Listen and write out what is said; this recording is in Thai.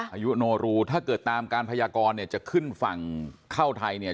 อายุโนรูถ้าเกิดตามการพยากรเนี่ยจะขึ้นฝั่งเข้าไทยเนี่ย